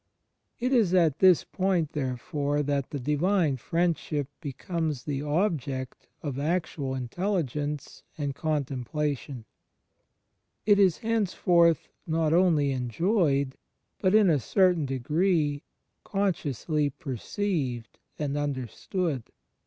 It is at this point, therefore, that the Divine Friend ship becomes the object of actual intelligence and con CHRIST IN THE INTERIOR SOUL 39 templation. It is henceforth not only enjoyed, but in a certain degree consciously perceived and understood.